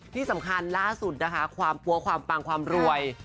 ที่สำคัญล่าสุดนะคะความปั้วความปังความรวย